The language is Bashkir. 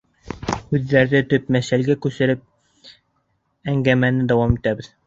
Һүҙҙе төп мәсьәләгә күсереп, әңгәмәне дауам итәбеҙ.